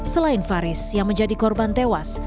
selain faris yang menjadi korban tewas